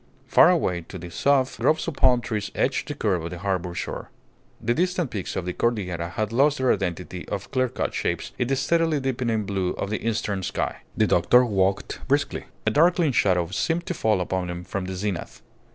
Far away to the south groves of palm trees edged the curve of the harbour shore. The distant peaks of the Cordillera had lost their identity of clearcut shapes in the steadily deepening blue of the eastern sky. The doctor walked briskly. A darkling shadow seemed to fall upon him from the zenith.